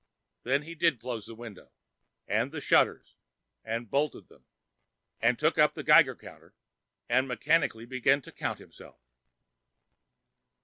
Then he did close the window, and the shutters, and bolted them, and took up the Geiger counter, and mechanically began to count himself.